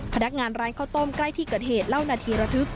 พนักงานร้านข้าวต้มใกล้ที่เกิดเหตุเล่านาทีระทึก